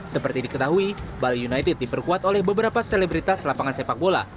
seperti diketahui bali united diperkuat oleh beberapa selebritas lapangan sepak bola